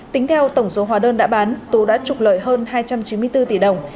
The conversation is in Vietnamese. tính theo tổng số hòa đơn đã bán tú đã trục lợi hơn hai trăm chín mươi bốn tỷ đồng